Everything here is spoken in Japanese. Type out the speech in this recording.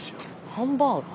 ハンバーガー？